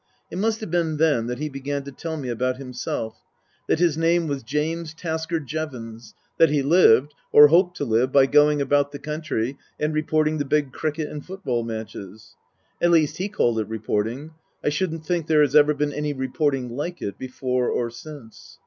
It must have been then that he began to tell me about himself : that his name was James Tasker Jevons ; that he lived, or hoped to live, by going about the country and reporting the big cricket and football matches. At least he called it reporting. I shouldn't think there has ever been any reporting like it before or since.